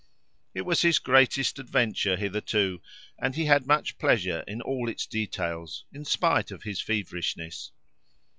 It was his greatest adventure hitherto; and he had much pleasure in all its details, in spite of his feverishness.